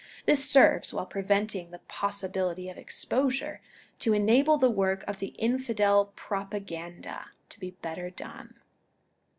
This serves, while preventing the possibility of exposure, to enable the work of the Infidel Propaganda to be better done.